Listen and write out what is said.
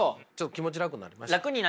気持ち楽になりました？